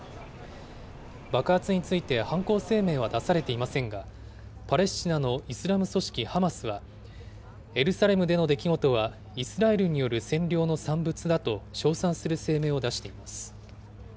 爆発について、犯行声明は出されていませんが、パレスチナのイスラム組織ハマスは、エルサレムでの出来事は、イスラエルによる占領の産物だと称賛する声明を出しています。